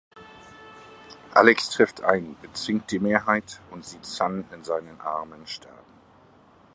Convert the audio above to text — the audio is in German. Alex trifft ein, bezwingt die Mehrheit und sieht Sun in seinen Armen sterben.